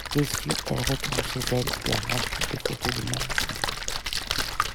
Déçue, elle retourne chez elle, et arrache toutes les photos de Maxxie.